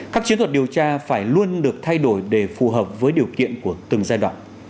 các chiến thuật điều tra phải luôn được thay đổi để phù hợp với điều kiện của từng giai đoạn